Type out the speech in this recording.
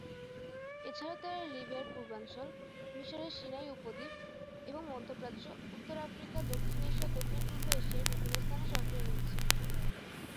এছাড়াও তারা লিবিয়ার পূর্বাঞ্চল, মিশরের সিনাই উপদ্বীপ এবং মধ্যপ্রাচ্য, উত্তর আফ্রিকা, দক্ষিণ এশিয়া ও দক্ষিণ-পূর্ব এশিয়ার বিভিন্ন স্থানে সক্রিয় রয়েছে।